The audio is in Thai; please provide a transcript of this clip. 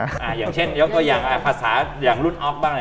อย่างเช่นยกตัวอย่างภาษาอย่างรุ่นออฟบ้างอะไร